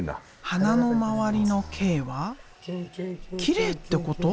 花の周りの「Ｋ」はきれいってこと？